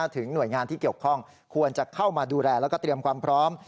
หน่วยงานที่เกี่ยวข้องควรจะเข้ามาดูแลแล้วก็เตรียมความพร้อม